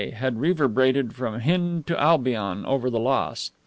_ had reverberated from Hind to Albion over the loss.